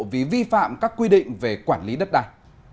vì vi phạm các quy định về quản lý đất đai